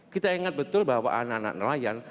kita ingat betul bahwa anak anak nelayan